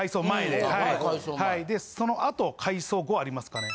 でそのあと改装後ありますかね。